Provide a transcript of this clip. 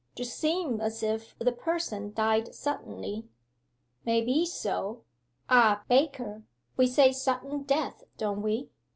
D'seem as if the person died suddenly.' 'May be so. Ah, Baker, we say sudden death, don't we?